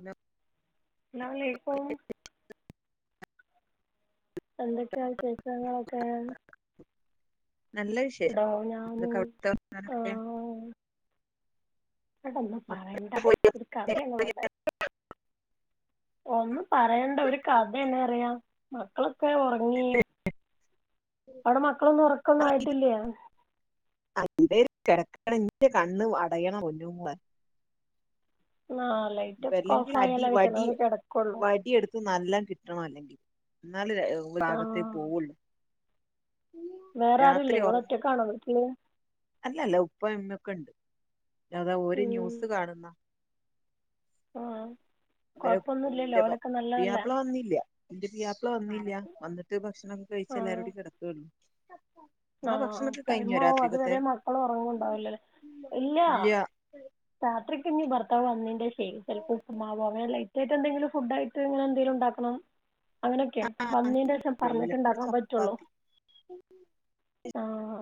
Hello [inaudible] എന്തൊക്കെയാ വിശേഷങ്ങളൊക്കെ നല്ല വിശേഷം എടോ ഞാനും എന്തൊക്കെ അവിടുത്തെ വർത്താനൊക്കെ എഹ് ഒന്നും പറയണ്ട മക്കളൊക്കെ പോയി ഒരു കഥ യങ്ങ് പറയാം ഒന്നും പറയണ്ട ഒരു കഥ തന്നെ പറയാം മക്കളൊക്കെ ഉറങ്ങി അവിടെ മക്കളൊന്നും ഉറക്കം ഒന്നും ആയിട്ടില്ല എന്തേലും കിടക്കണാ എന്റെ കണ്ണ് അടയാ പൊന്നു മോളെ ആ ലൈറ്റൊക്കെ വരില്ലെങ്കിൽ ഓഫായാലേ അടിവടിയ ചിലവർ കിടക്കുള്ളൂ വടിയെടുത്ത് നന്നായി കിട്ടണം അല്ലെങ്കി എന്നാലും ആ ഭാഗത്തെ പോവുള്ളൂ വേറെ ആരുമില്ലേ രാത്രി നിങ്ങൾ ഉറക്കം ഒറ്റയ്ക്കാണോ വീട്ടിൽ അല്ലല്ലോ ഉപ്പയും ഉമ്മക്കെണ്ട് അത് ഒരു ന്യൂസ് കാണുന്നു ആ വരും കുഴപ്പമൊന്നുമില്ലല്ലോ എന്റൊപ്പം ഓലൊക്കെ പുയ്യ നല്ലതല്ലേ പ്ലവന്നില്ല [inaudible] ള്ള വന്നില്ല വന്നിട്ട് ഭക്ഷണം കഴിച്ചു എല്ലാരും കൂടികിടക്കുകയുള്ളൂ [inaudible] ആ ആ ടൈം ആവും അതുവരെ മക്കളൊന്നും ഒറങ്ങ ഉണ്ടാവില്ല ഇല്ല രാത്രിക്ക് ഇനി ബർ ത്താവ് വന്നിന്റെ ശേഷം ചിലപ്പോൾ ഉപ്പുമാവ് അങ്ങനെ ലൈറ്റ് ആയിട്ട് എന്തെങ്കിലും ഫുഡ് ആയിട്ട് ഇങ്ങനെ എന്തെങ്കിലും ഉണ്ടാക്കണം അങ്ങനെയൊക്കെയാണ് വന്നിന്റ പിള്ളല് ശംപറഞ്ഞിട്ടു ഇവിടെ ഉണ്ടാക്കാൻ പറ്റുള്ളൂ ചപ്പാത്തി ആ ഹാ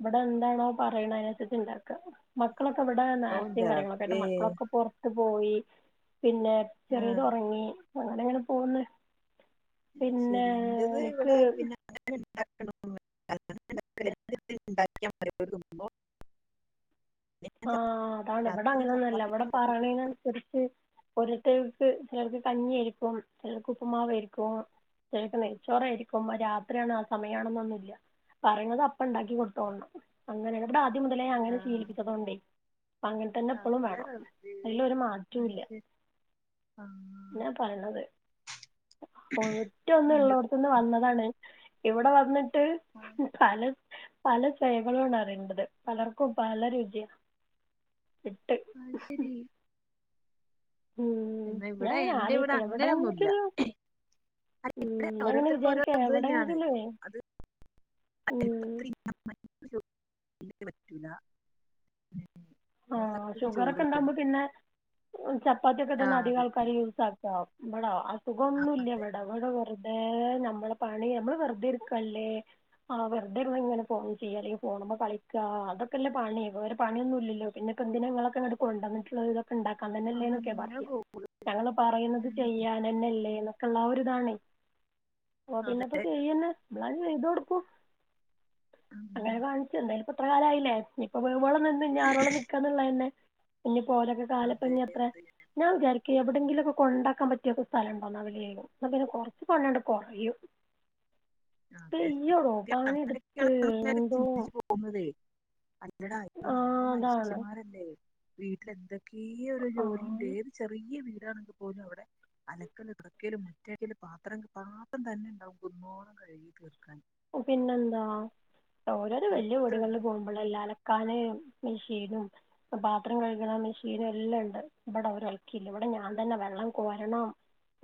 ഇവിടെ എന്താണ് പറയണത് അതനുസരിച്ച് ഉണ്ടാക്കമക്ക മക്കളൊക്കെ ഇവിടെ ഔ നേർച്ചയും ന്റെ കാര്യങ്ങളൊക്കെ റബ്ബേ ആയിട്ട് മക്കളൊക്കെ പുറത്ത് പോയി പിന്നെ ആഹ് ചെറിയതൊറങ്ങി. അങ്ങനെ അങ്ങനെ പോകുന്നു. അയ്ശെരി ഇന്റെത് ഇവടെ എനിക്ക് പിന്നെ [unintelligible] [inaudible] ആ അതാണ് ഇവടെ രാത്രി അങ്ങനന്നുല്ല ചപ്പാത്തി ഇവടെ പറയണെന് അനുസരിച്ച് ഒരു ടിപ്സ് ചെലപ്പോ കഞ്ഞി ആയിരിക്കും, ചെലപ്പോ ഉപ്പുമാവ് ആയിരിക്കും, ചെലപ്പോ നെയ്ച്ചോർ ആയിരിക്കും, രാത്രിയാണ് ആ സമയമാണെന്നൊന്നുല്ല പറയണത് അപ്പ ഇണ്ടാക്കി കൊടുത്തോളണം, അങ്ങനെയാണ് ഇവിടെ ആ ദ്യം മുതലേ അങ്ങനെ ആഹ് ശീലിപ്പി [unintelligible] അങ്ങന തന്നെ ഇപ്പളും അന്റെ വേണം, റബ്ബേ അതിലൊരു മാറ്റവും ഇല്ല അയ്ശെ ആഹ് എന്നാ പറയണത്. ഇന്റത് ഒറ്റോന്നോള്ളോടത്ത്ന്ന് വന്നതാണ്. ഇവടെ വന്ന്ട് ട്ട് അത് കല പല [unintelligible] പലർക്കും പല [unintelligible] യാ അയ്ശരി മ് ഞാനിങ്ങനെ എന്റെ ഇവിടെ ആലോയിക്കുവാ അങ്ങനെയൊന്നുല്ല എവടെങ്കിലും [unintelligible] ഇവിടെ ഓരോർത്തക്ക്‌ ഓരോ ഇത് തന്നെയാണ് എവിടെങ്കിലുവേ അത് [unintelligible] ഉം [unintelligible] പറ്റൂല്ലാ [unintelligible] ആഹ് ഷുഗറൊക്കെ ഇണ്ടാവുമ്പോ പിന്നെ ചപ്പാത്തിയൊക്കെ തന്നെ ആഹ് അധികം അതെ ആൾക്കാരും യൂസ് ആക്കാ ഇവിടോ അസുഖൊന്നും ആഹ് ഇല്ല്യ അതെ ഇവട, ഇവട വെറുതെ നമ്മള് പണി നമ്മള് വെറുതെയിരിക്കല്ലേ ആഹ് വെറുതെ ഇരുന്നിങ്ങനെ ഫോൺ ചെയ്യാ അല്ലെങ്കി ഫോണുമേ കളിക്കാ അതൊക്കെയല്ലേ പണി, വേറെ പണിയൊന്നു ഇല്ലല്ലോ. പിന്നെപ്പം എന്തിനാ നിങ്ങളോക്കെ ഇങ്ങട്ട് കൊണ്ട് വന്നിട്ടുള്ളത് [unintelligible] ഇണ്ടാക്കാൻ തന്നല്ലേന്നൊക്കെയാ അങ്ങനെ പറയാ, അതെ ഞങ്ങള് പറയുന്നത് ചെയ്യാനന്നല്ലേന്ന് ക്കള്ള ഒരിതാണ്. ഓ പിന്നപ്പം ചെയ്യുന്ന ഞാൻ ചെയ്ത് കൊടുക്കും. അങ്ങനെ കാണിച്ചന്നേ ഇത്ര കാലായില്ലേ ഇനീപ്പം വേവോളം ന്ന്ണ്ട്‌ ഇനി ആറോളം നി ന്നുള്ളതന്നെ ഇല്ലെ ഓലൊക്കെ അതെ അതെ കാലത്തന്നെത്രേ ഞാൻ വിചാരി ക്കെ എവിടൊങ്കിലൊക്കെ കൊണ്ടാക്കാൻ പറ്റിയൊക്കെ സ്ഥലം ഇണ്ടോന്ന് അവിടേലും എന്നാ പിന്നെ കൊറച്ച് പണി അങ്ങട് കൊറയും. അതെ സത്യവാ അങ്ങനൊക്കെയാണ് നമ്മളൊക്കെ എന്തോ ചിന്തിച്ച് പോകുന്നതേ അതെ എടാ [unintelligible] ആ നമ്മളും അതാണ് മനുഷ്യന്മാരല്ലേ. വീട്ടിലെന്ത് ഈ ഒരു ആ ജോലിണ്ട് ഏത് ചെറിയ വീ ടാർഞ്ഞ്ട്ട് പോലും അവടെ അലക്കല് തുടക്കല് മുറ്റടിക്കല് പാത്രം പാത്രം തന്നെ ഉണ്ടാവും കുന്നോളം കഴികി [unintelligible] ഓ പിന്നെന്താ ഓരോരോ വല്യ അത്ര വീടുകളില് പോകുമ്പളല്ലേ അലക്കാന് മെഷീനും ഇപ്പ പാത്രം കഴുക്ണ മെഷീനും എല്ലാ ഇണ്ട് ഇബടെ ഒരു ഒൽക്കീല്ല ഇവിടെ ഞാൻ തന്നെ വെള്ളം കോരണം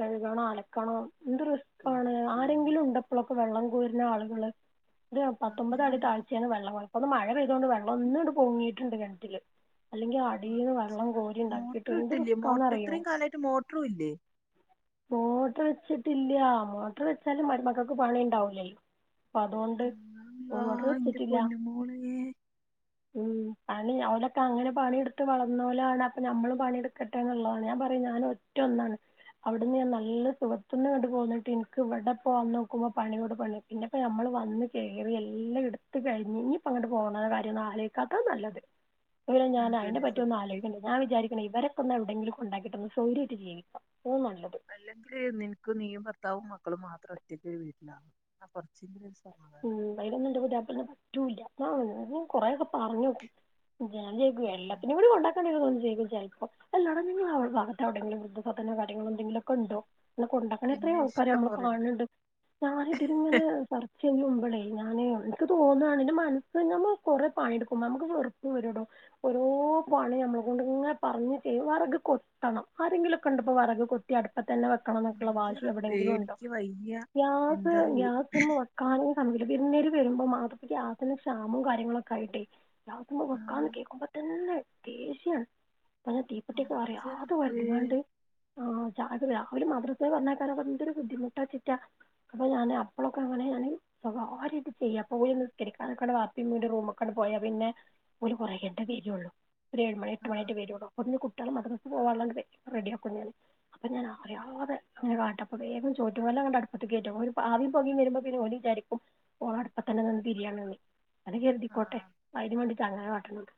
കഴുകണം അലക്കണം എന്ത് റിസ്ക്കാണ് പടച്ചോനേ ആരെങ്കിലും ഉണ്ടോ ഇപ്പോഴൊക്കെ വെള്ളം കോരു ന്ന ആളുകള് ഇത് ഞാ പത്തൊമ്പതടി അതന്നെ താഴ്ച്ചേന്ന് വെള്ളം കോര ഒന്ന് മഴ പെയ്തോണ്ട് വെള്ളം ഒന്നിങ്ങട് പൊങ്ങീട്ട്ണ്ട് കിണറ്റില് അല്ലെങ്കി അടീന്ന് പടച്ച വെള്ളം കോരി റബ്ബേ ഉണ്ടാക്കിയിട്ട് മോട്ടർ എന്തൊരു ഇട്ടില്ലേ മോട്ടർ റിസ്ക്കാന്നറിയോ ഇത്രയും കാലമായിട്ട് മോട്ടറും ഇല്ലേ മോട്ടറ് വെച്ചിട്ടില്ലാ മോട്ടറ് വെച്ചാലും മരുമക്കക്ക് പണി ഉണ്ടാവൂല്ലല്ലോ അപ്പ അതോണ്ട് അള്ളാ ഓടറ് എന്റെ വെച്ചിട്ടില്ല. പൊന്നുമോളെ ഉം പണി അവലൊക്കെ അങ്ങനെ പണിട്ത്ത് വളർന്നോലാണ് അപ്പം ഞമ്മളും പണിട്ക്കട്ടെ എന്നുള്ളതാണ് ഞാൻ പറിം ഞാന് ഒറ്റ ഒന്നാണ് അവ്ട്ന്ന് ഞാൻ നല്ല സുഖത്ത്ന്ന് ഇങ്ങട്ട് പോന്നിട്ട് ഇനിക്ക് ഇവടെപ്പം വന്നോക്കുമ്പം പണിയോട് പണി പിന്നെപ്പം ഞമ്മള് വന്ന് കേറി എല്ലാം ഇടുത്ത് കയിഞ്ഞ് ഇഞ്പ്പം അങ്ങട്ട് പോണ കാര്യൊന്നും അലോയ്ക്കാത്ത നല്ലത്. ഇല്ല ഞാൻ അയ്നെ അതന്നെ പറ്റിഒന്നും സത്യം ആലോചിക്ക്ണ്ല്യ ഞാൻ വിചാരിക്ക്‌ണ് ഇവരൊക്കൊന്ന് എവിടെങ്കിലും ഉണ്ടാക്കിട്ടൊന്ന് സ്വയ്ര്യായിട്ട് ജീവിക്കണം. അല്ലെങ്കില് നിൻക്ക് നീയും ഭർത്താവും മക്ക മക്കള് മാത്രം ഒറ്റക്ക് ഒരു വീട്ട്ലാ അപ്പ കൊറേച്ചെങ്കിലും ഒരുസു ഉം അയ്നൊന്നും ന്റെ പുതിയാപ്പള്നെ പറ്റൂല്യ. ആ ഞാന് കൊറേയൊക്കെ പറഞ്ഞോക്കും. ഞാൻ [unintelligible] എല്ലാത്തിനിംകൂടി കൊണ്ടാക്കാൻ [inaudible] വെയ്കും ചെൽപ്പൊ അല്ലടാ നിങ്ങളെ അവൾ ഭാഗത്തു വെടെങ്കിലും വൃദ്ധസദനോ കാര്യങ്ങളോ എന്തെങ്കിലുക്കെണ്ടോ? ങ്ങനെ കൊണ്ടാക്കണ പിന്നെ എത്രയോ ആൾക്കാരെ ഇഷ്ടം ഞമ്മള് പോലെണ്ട് കാണണ് ണ്ട് ഞാന് ഇതില്ങ്ങനെ പറ ഇതിന്റെ മുമ്പ് ണ്ടേയ്നിം ഞാന് ഇൻക്ക് തോന്നാണ് ഇന്റെ മനസ്സ് ഞമ്മള് കൊറേ പണിടുക്കുമ്പം ഞമ്മക്ക് വെറുപ്പ്‌ വരു യെടോ ഓരോ പണി ഞമ്മളെ കൊണ്ട് ഇങ്ങനെ പറഞ്ഞ് ചെയ്യും വറക് കൊത്തണം ആരെങ്കിലൊക്കണ്ടോ പ്പൊ വറക് കൊത്തി അടുപ്പ തന്നെ വേക്കണൊന്നോക്കെള്ള ന്റെ വാശി റബ്ബേ എവിടെങ്കിലുണ്ടോ എനിക്ക് വയ്യ ഗ്യാസ് എന്താറിയോ ഗ്യാസ്മ്മെ [unintelligible] വിര്ന്നാര് വരുമ്പം മാത്രം ഗ്യാസിന് ക്ഷാമം കാര്യങ്ങളൊക്കെയായിട്ടേയ്. ഗ്യാസ്മ്മ ആഹ് വെക്കാന്ന് കേക്കുമ്പ തന്നെ ദേഷ്യാണ്. ആ തീപ്പട്ടിക്കെ പടച്ച അറിയാതെ റബ്ബേ ഒര്തിങ്ങാ ണ്ട് ആഹ [unintelligible] രാവിലെ മദ്രസൽ പറഞ്ഞക്കാര എന്തൊരു ബുദ്ധിമുട്ടചിറ്റാ അപ്പൊ ഞാൻ അപ്പഴൊക്കെ അങ്ങനെ ഞാൻ ആ രീതി ചെയ്യാ അപ്പൊ പോയി നിസ്കരിക്കാക്ക വാപ്പിടെ റൂമൊക്കണ്ട് പോയാ പിന്നെ ഒരു കുറേ കഴിഞ്ഞിട്ടേ വരുള്ളൂ ഒരു ഏഴ് മണി എട്ട് മണി ആയിട്ടേ വരുള്ളൂ അപ്പോളേക്കും കുട്ടി മറ്റാള് മദ്രസക്ക് പോവാള്ളോണ്ടെ വേം റെഡിയാക്കും ഞാന് അപ്പ ഞാൻ അറിയാതെ ഇങ്ങനെ കാട്ടും അപ്പ വേഗം ചോറ്റു കലോങ്ങട് അടുത്തക്ക് കേറ്റും ഒരു ആവീം പൊകേം വരുമ്പോ പിന്നെ ഓല് വിചാരിക്കും ഓള് അടപ്പത്തന്നെ നിന്ന് തിരിയാണിന്ന് അത് കരുതിക്കോട്ടെ അതിന് വേണ്ടിട്ടാ അങ്ങനെ കാട്ടണത്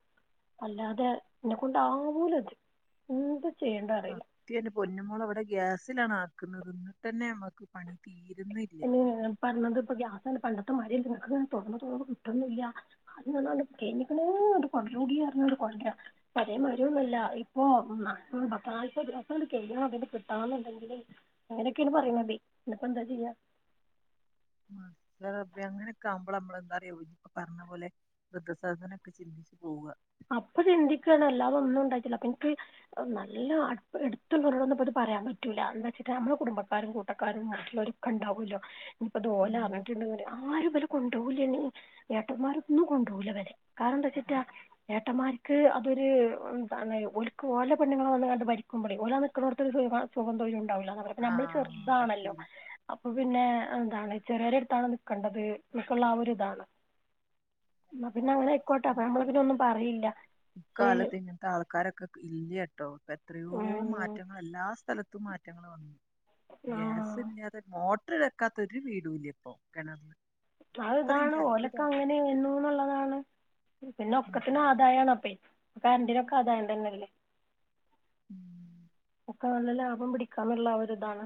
അല്ലാതെ എന്നെ കൊണ്ടാവൂലത് എന്ത് ചെയ്യേണ്ടത് അറിയില്ല സത്യം എന്റെ പൊന്നുമോള് അവിടെ ഗ്യാസിലാണാ വെക്കണത് ഇന്നിട്ടെന്നെ ഞമ്മക്ക് പണി തീ എന്ന് ഞാൻ പറഞ്ഞത് ഇപ്പൊ ഗ്യാസാണ് പണ്ടത്തെ മാര്യ പ്രാരാവാണ് തൊർന്ന് തൊറന്ന് കിട്ടൊന്നില്ല [unintelligible] [unintelligible] പഴേമാര്യൊന്നല്ല ഇപ്പൊ ഉം പത്ത് നാല്പത് ദിവസംണ്ട് കഴിയണം അത്ണ്ട് കിട്ടണംന്ന്ണ്ടെങ്കില് അങ്ങനെയൊക്കെയാണ് പറയണതേ പിന്നെപ്പോ എന്താ ചെയ്യ ഉം ഇൻ്റെ റെബേ അങ്ങനെയൊക്കെ ആവുമ്പളാ നമ്മളെന്താറിയാ ഇപ്പ പറഞ്ഞ പോലെ വൃദ്ധ സദനൊക്കെ ചിന്തിച്ച് പൂവാ അപ്പൊ അത് ചിന്തിക്ക്യാണ് അല്ലാതും ഒന്നും ഉണ്ടായിട്ടില്ല അപ്പൊ എനിക്ക് നല്ല അടു അടുത്തുള്ളവരോന്നുംപ്പത് പറയാൻ പറ്റൂല എന്താച്ചിട്ട നമ്മള് കുടുംബക്കാരും കൂട്ടക്കാരും മറ്റുള്ളോരൊക്കെ ഇണ്ടാവുല്ലോ അപ്പൊതോല് ഉം അറഞ്ഞിട്ടുണ്ടെങ്കില് ആരും വല്ല കൊ ണ്ടൂവല്ലേനിം ഏട്ടന്മാരൊന്നും കൊണ്ടൂവൂല ഇവരെ കാരണം എന്താച്ചിട്ടാ ഏട്ടമാർക്ക് അതൊര് ഉം എന്താണ് ഓൽക്ക് ഓലെ പെണ്ണുങ്ങള് ഓലെങ്ങണ്ട് ഭരിക്കുമ്പോളേ ഓലെ നിക്കണോടത്തൊരു സൊ സുഖോം തൊര്യോം ഉണ്ടാവൂ ല്ലന്നവര് നമ്മള് ആഹ് ചെറുതാണല്ലോ പറ്റൂല അപ്പൊ പിന്നെ എന്താണ് ചെറ്യോട്തതാണ് നിക്കണ്ടത് എന്നൊക്കള്ള ആ ഒരുതാണ് ഇന്നാ പിന്നെ വല്ലാത്ത അങ്ങനായ്ക്കോട്ടെ അവസ്ഥന്നെ അപ്പം ഞമ്മള് പിന്നൊന്നും ഇക്കാലത്ത് ഇങ്ങനത്തെ ആൾക്കാരൊക്കെ ഇല്യ ട്ടോ ഇപ്പെത്രയോ ഉം. മാററങ്ങള് എല്ലാ സ്ഥല തും മാറ്റങ്ങള് വന്ന് ആ ഗ്യാസില്ലാതെ മോ ട്ടറ് വെക്കാത്ത ഒരു വീടൂല്യ ഇപ്പം കൊണർല് അത് ഇതാണ് ഓലക്കെ അങ്ങനെ [unintelligible] ന്നു ഇള്ളതാണ് പിന്നെ അതെ ഒക്കത്തിനും ആദായാണ് അപ്പെ കര്ൻ്റിനൊക്കെ ആദായം തന്ന്യല്ലേ മം [unintelligible] ലാഭം പിടിക്കാന്നുള്ള ഒരിതാണ്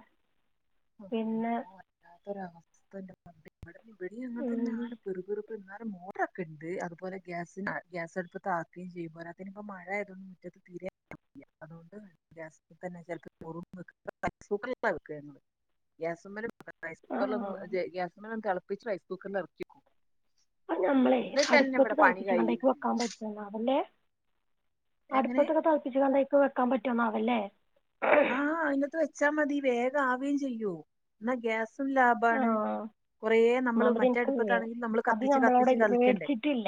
അള്ളോ വല്ലാത്തൊരവസ്ഥൻ്റെ [unintelligible] ഇവിടിം ഉം, അങ്ങൻതന്ന്യാണ് പിറുപിറുപ്പ് ന്നാ ലും മോട്ടർ വെക്കര്ത് അത് പോലെ ഗ്യാസ് ആ ഗ്യാസടുപ്പത്ത് ആക്കേം ചെയ്യും പോരാത്തേന് ഇപ്പം മഴ ആയതോണ്ട് മുറ്റത്ത് തീരെ [unintelligible] അതോണ്ട് ഗ്യാസ് തന്നെ ചെൽപ്പം [unintelligible] ഗ്യാസ്മ്മല് [unintelligible] റൈസ് ആ കുക്കർ ലൊന്ന് ഗ്യാസ്മ്മലൊന്ന് തെള പ്പിച്ച് റൈസ് കുക്കർല് എറക്ക്യേക്കും അത് ഞമ്മളെ അടുപ്പത്ത് തൾപ്പിച്ചണ കണ്ടാ ഇപ്പൊ കഴിയുന്നില്ല വെക്കാൻ പറ്റൂല [unintelligible] എങ്ങനെ അട്പ്പത്തൊക്കെ തൾപ്പിച്ച്കാണ്ടെ വെക്കാൻപറ്റൊന്നാവൂല്ലേ? ആഹ് അതിനകത്തു വെച്ചാൽ മതി. വേഗം ആവേം ചെയ്യും എന്നാൽ ഗ്യാസ് ആ നമ്മള് ഒന്നാമതെ മറ്റേ എനിക്കില്ല അടുപ്പത്താണെങ്കിൽ നമ്മള് അത് കത്തിച്ച് നമ്മളോടെ കത്തിച്ച് കളിക്കണ്ടേ മേടിച്ചിട്ടില്ല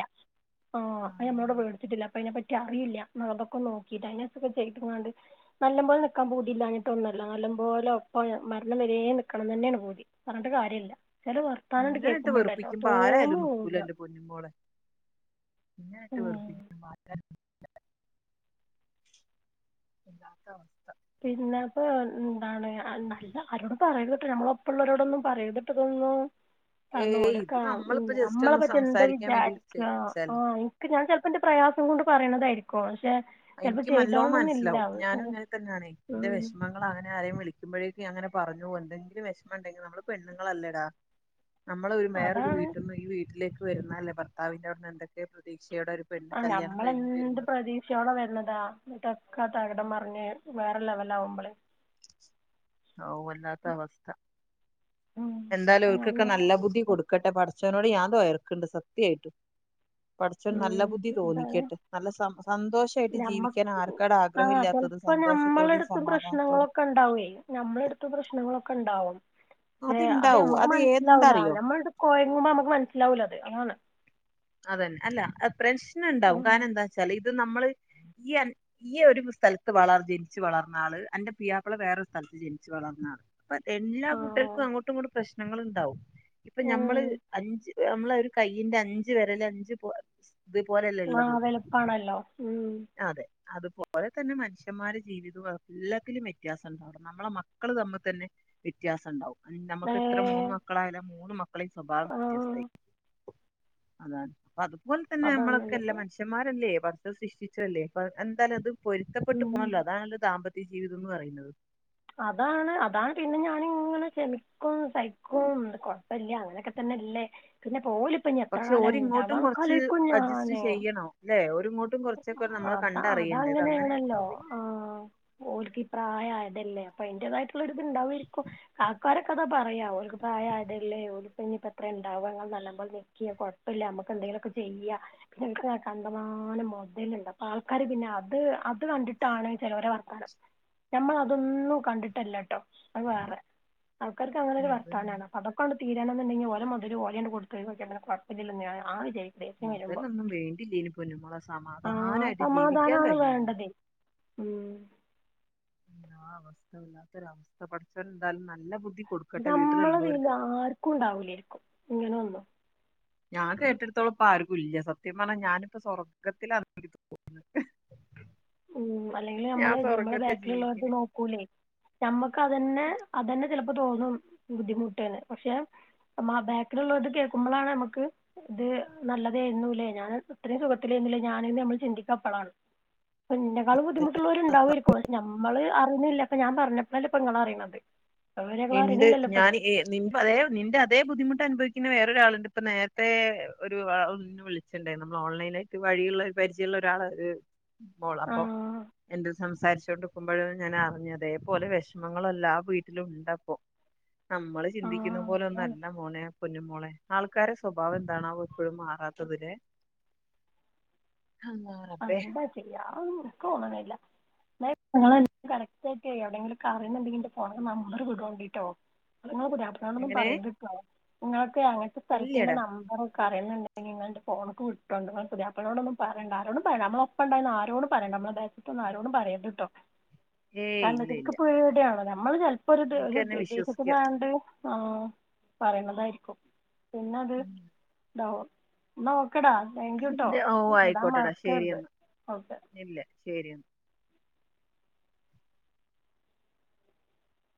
ആ അത് നമ്മളോടെ മേടിച്ചിട്ടില്ല അപ്പം അയിനെപ്പറ്റി നിക്ക് അറിയില്ല അതൊക്കെനോക്കിട്ട് നല്ല പോലെ നിൽക്കാൻ പൂതി ഇലാഞ്ഞിട്ട് ഒന്നുല്ല നല്ല പോലെ ഒപ്പം മരണം വരേം നിക്കണം തന്നെയാണ് പൂതി പറഞ്ഞട്ട് കാര്യവില്ല ചില വർത്താനം ഇണ്ട് ഇങ്ങനെയിട്ട് കേക്കുമ്പോണ്ടല്ലോ വെറുപ്പിക്കുമ്പോ ആരായാലും നിക്കൂല തോന്നൂല്ല എന്റെ പൊന്നുമോളെ ഇങ്ങനെയിട്ട് ഉം വെറുപ്പിക്കുമ്പോ ആരായാലും വല്ലാത്ത അവസ്ഥ പിന്നെ അപ്പൊ എന്താണ് നല്ല ആരോടും പറയരുതുട്ടോ നമ്മളെപ്പള്ളവരോടൊന്നും പറയരുതുട്ടോ ഇതൊന്നും. കാരണം ഏയ് ഒരോക്കെ ഇത് ആ മം നമ്മളിപ്പോ ജസ്റ്റ് നമ്മളെ ഒന്ന് പറ്റി എന്താ സംസാരിക്കാൻ വേണ്ടി വിചാരിക്കുക ആ വിളിച്ചല്ലേ എനിക്ക് ഞാൻ ചിലപ്പോ ന്റെ പ്രയാസം കൊണ്ട് പറയണതായിരിക്കും പക്ഷെ ചിലപ്പോ എനിക്ക് നല്ലോം ചെയ്തോളണംന്നില്ല മനസ്സിലാവും ഞാനും ഇങ്ങനെ തന്നെ എന്റെ ഉം വിഷമങ്ങൾ അങ്ങനെ ആരേലും വിളിക്കുമ്പോഴേക്കും നീ അങ്ങനെ പറഞ്ഞകൊണ്ട് എനിക്കൊരു വിഷമമുണ്ടെങ്കിൽ നമ്മള് പെണ്ണുങ്ങൾ അല്ലേടാ നമ്മള് വേറൊരു അതാണ് വീട്ടിൽ നിന്ന് ഈ വീട്ടിലേക്ക് വരുന്നത് അല്ലേ ഭർത്താവിന്റെ അവിടുന്ന് എന്തൊക്കെയോ പ്രതീ ആ നമ്മള് എന്ത് പ്രതീക്ഷയോടെയാ വ രുന്നതാ എന്നിട്ട് ഒക്കെ തകിടം മറിഞ്ഞ് വേറെ ലെവൽ ആകുമ്പോളേ ഓ വല്ലാത്ത അവസ്ഥ എന്തായാലും അപ്പൊ ഇവർക്കൊക്കെ ഞാനിങ്ങനെ നല്ല ബുദ്ധി ആലോചിക്കും കൊടുക്കട്ടെ പട ച്ചോനോട് ഞാൻ [unintelligible] സത്യവായിട്ടും പടച്ചോൻ നല്ല ഉം ബുദ്ധി എന്താണ് തോന്നിക്കട്ടെ നല്ല സ സന്തോഷമായിട്ട് ജീവിക്കാൻ ഞമ്മക്ക് ആർക്കാണ് ആ ആഗ്രഹം ഇല്ലാത്തത് ചെലപ്പോ സന്തോഷത്തോടെയും സമാധാനത്തോടെയും നമ്മടെ അടുത്തും പ്രശ്നങ്ങളൊക്കെ ഉണ്ടാവും പക്ഷെ അത് അത്ണ്ടാവും നമ്മക്ക് മനസ്സിലാവൂല ഏതെന്താറിയോ നമ്മൾ [unintelligible] നമ്മുക്ക് മനസ്സിലാവൂല അത് അങ്ങനെ അല്ല പ്രശ്നം ഉണ്ടാവും ഉം കാരണം എന്താച്ചാല് അത് നമ്മള് ഈ അ ഈ ഒരു സ്ഥലത്ത് വള ജനിച്ച് വളർന്ന ആള് അന്റെ പുയ്യാപ്ള വേറൊരു സ്ഥലത്ത് ജനിച്ച് വളർന്ന ആള് എല്ലാ ആ കുട്ടർക്കും അങ്ങോട്ടും ഇങ്ങോട്ടും പ്രശ് നമ്മള് ഉണ്ടാവും ഇപ്പൊ ഞമ്മള് ഉം അഞ്ച് നമ്മളെ ഒരുകയ്യിന്റെ അഞ്ച്- അഞ്ചുവിരൽ അഞ്പോലെ- ആ വലുപണല്ലോ മ്മ് അതെ അതുപോലെ തന്നെ മനുഷ്യന്മാരുടെ ജീവിതവും എല്ലാത്തിലും വ്യത്യാസം ഉണ്ടാവും നമ്മളെ മക്കള് തമ്മിൽ തന്നെ വ്യത്യാസം ഉണ്ടാവും ഏ നമുക്ക് ഇത്ര മൂന്ന് മക്കളായലും ആ മൂന്ന് മക്കളെ സ്വഭാവം ആ വ്യത്യാസമായിരിക്കും അതാണ് പാതും [unintelligible] അതുപോലെതന്നെ നമ്മളൊക്കെ എന്താ അതാണുള്ളത് മനുഷ്യന്മാരല്ലേ- സൃഷ്ടിച്ചല്ലേ അപ്പ എന്താലും അതും - പൊരുത്തപ്പെട്ട് ഉം പോണല്ലോ അതാണല്ലോ ദാമ്പത്യം ജീവിതം എന്ന് പറയുന്നത് അതാണ് അതാണ് പിന്നെ ഞാനിങ്ങനെ ക്ഷമിക്കും സഹിക്കും കുഴപ്പല്യ അങ്ങനെയൊക്കെ തന്നെല്ലേ പിന്നെ- ഒലിനിപ്പ എത്ര പക്ഷെ കാല ഓരിങ്ങോട്ടും ഉണ്ടാവാന്ന് ഒകെ കുറച്ച് ആലോജിക്കും അഡ്ജസ്റ്റ് ഞാന് ചെയ്യണം അല്ലെ ഓരിങ്ങോട്ടും കുറച്ചൊക്കെ നമ്മളെ [inaudible] കണ്ടറിയണ്ടേ ഇത് അങ്ങനെ അതങ്ങനെയാണല്ലോ ആ ഒലിക്ക് പ്രായയാലോ അല്ലെ അപ്പോ അയിന്റതായിട്ട്- ഇണ്ടാവായിരിക്കും ആൾക്കാരു - കഥ പറയാ ഒരു പ്രായയതല്ലേ ഒരുഇനീപ്പോ എത്ര ഉണ്ടാവുക നല്ലപോലെ നിക്ക് കുഴപ്പമില്ല നമക്ക് എന്തെങ്കിലൊക്കെ ചെയ്യാം പിന്നെ കണ്ടമാനം [unintelligible] അപ്പൊ ആൾക്കാര് പിന്നെ അത് അത് കണ്ടിട്ടാണ് ചിലവര വർത്തനം നമ്മൾ- അതൊന്നും കണ്ടിട്ടല്ലട്ടോ അത് വേറെ- ആൾക്കാർക്ക് അങ്ങനെ ഒരു മൊബൈൽ വാർത്താനാണ് അതൊക്കെ അങ്ങോട്ട് തീരാണെങ്കി ഒരാമക്കള് ഒരുപോലെ അങ്ങ് കൊടുത്ത് ഒഴിവാക്കിയാൽ കുഴപ്പം ഇല്ലാലോ ഞാൻ വിചാരി- മൊതലൊന്നും വേണ്ടില്ലേന്നു പൊന്നു മോളെ ആ സമാധാനായിട്ട് ജീവിക്കാ സമാധാനാണ് കഴിഞ്ഞ് ന്ന് വേണ്ടത് ഉം ആ അവസ്ഥ വല്ലാത്തൊരു അവസ്ഥ പഠിച്ചാൽ എന്തായാലും നല്ല ബു നമ്മൾ അറിയുന്ന ആർക്കും ഉണ്ടാവില്ലേരിക്കും ഇങ്ങനൊന്നും. ഞാൻ കെട്ടിടത്തോളം ഇപ്പം ആർക്കും ഇല്ല സത്യം പറഞ്ഞാൽ ഞാൻ ഇപ്പൊ സ്വർഗത്തിലാണെന്ന എനിക്ക് തോന്നുന്നേ. ഉം അല്ലെങ്കിലും ഞമ്മള് ഞമ്മടെ ബാക്കിൽ ജീവിക്കണ ഉള്ളവർക്ക് നോക്കൂലെ ഞമ്മക്ക് അതന്നെ അതന്നെ തോന്നും ബുദ്ധിമുട്ടാണ് പക്ഷെ ബാക്കിൽ ഉള്ളവരുടെ കേൾക്കുമ്പളാണ് നമ്മക്ക് ഇത് നല്ലതാരുന്നു ഇല്ലേ ഞാൻ ഇത്രേം സുഖത്തിലാരുന്നല്ലേ ഞാൻ എന്ന് ചിന്തിക്കുക അപ്പോളാണ് എന്നെക്കാളും ബുദ്ധിമുട്ടുള്ളവർ ഉണ്ടാകുവാരിക്കും പക്ഷെ ഞമ്മള് അറിഞ്ഞില്ല അപ്പ ഞാൻ പറഞ്ഞ ഇപ്പൊ നിങ്ങൾ അറിയണുണ്ട് ഇണ്ട് ഞാൻ നിന്റെ അതേ ബുദ്ധിമുട്ട് അനുഭവി പിന്നെ വേറൊരു ആളുണ്ട് ഇപ്പൊ നേരത്തെ ഒരു വിളിച്ചിട്ടുണ്ടാരുന്നു നമ്മൾ ഓൺലൈൻ ആയിട്ട് വഴിയുള്ള പരിചയം ഉള്ളൊരാള് കോൾ ആ അപ്പൊ എന്നോട് സംസാരിച്ചോണ്ട് ഞാൻ അറിഞ്ഞത് ഇതേ പോലെ വിഷമങ്ങൾ എല്ലാ വീട്ടിലും ഉണ്ട ഹൊ നമ്മള് ആ ചിന്തിക്കുന്ന പോലെ ഒന്നും അതാണ് അല്ല മോനെ പൊന്നുമോളെ ആൾക്കാരെ സ്വഭാവം എന്താണാവോ ഇപ്പോഴും മാറാത്തത്തിലെ എന്താ ചെയ്യാ അതൊന്നും എനക്ക് തോന്നണില്ല. നിങ്ങൾ കറക്റ്റ് ആയിട്ടേ എവിടെയെങ്കിലും ഒക്കെ അറിയാണുണ്ടെങ്കിൽ ഇന്റെ ഫോണിക്കെ നമ്പർ ഇടുണ്ടുട്ടോ ഇങ്ങളെ പുതിയാപ്ലനോട് ന്നും എങ്ങനെ പറയരുത് ട്ടൊ ങ്ങളെ അങ്ങനത്തെ സ്ഥലത്തിന്റെ ഇല്ലടാ നമ്പർ ക [unintelligible] നമ്മൾ ഒപ്പമുണ്ടാകുമെന്ന് ആരോടും പറയണ്ട നമ്മുടെ ബാക്കിലത്തെ ആരോടും പറയരുതുട്ടോ ഏയ് കാരണം എന്ന് ഇല്ല വെച്ച നിനക്ക് ഇല്ല പേടി ആണല്ലോ മ്മള് നിനക്ക് എന്നെ വിശ്വസിക്കാം [unintelligible] ആ പറയണതാരിക്കും പിന്നത് [unintelligible] ഒക്കെ ഡാ താങ്ക്യുട്ടോ ശരി എന്നാ നില്ല് ശരി എന്ന